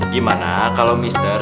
gimana kalau mr